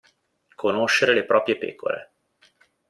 Conoscere le proprie pecore.